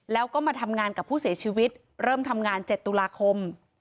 แล้วก็มาทำงานกับผู้เสียชีวิตเริ่มทำงาน๗ตุลาคม